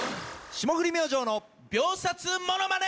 霜降り明星の秒殺ものまね。